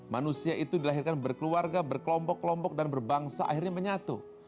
manusia itu dilahirkan berkeluarga berkelompok kelompok dan berbangsa akhirnya menyatu